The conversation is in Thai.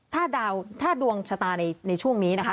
ถ้าดวงชะตาในช่วงนี้นะคะ